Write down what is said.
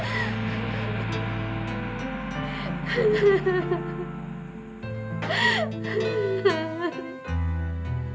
eh kalah banget pakai tapi bayi bajang